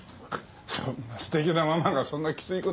そんな素敵なママがそんなきつい事言わないで。